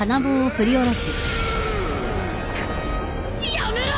やめろ！